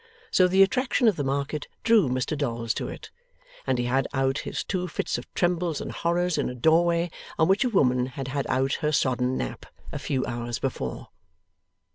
So, the attraction of the Market drew Mr Dolls to it, and he had out his two fits of trembles and horrors in a doorway on which a woman had had out her sodden nap a few hours before.